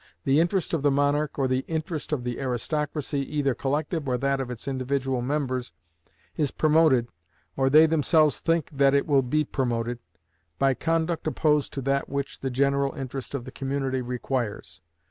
The interest of the monarch, or the interest of the aristocracy, either collective or that of its individual members, is promoted, or they themselves think that it will be promoted, by conduct opposed to that which the general interest of the community requires.